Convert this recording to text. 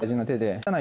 はい。